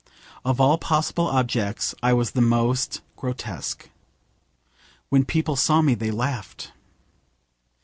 Of all possible objects I was the most grotesque. When people saw me they laughed.